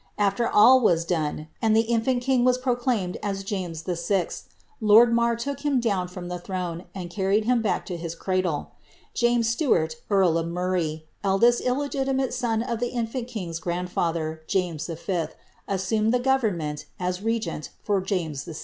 After all was done, and the infiint king was proclaimed as James VI., loid Marr took him down from the throne, and carried him back to his cradle. James Stuart, earl of Murray, eldest illegitimate son of the infrnt king's grandfather, James V., assumed the government, as regent lor James VI.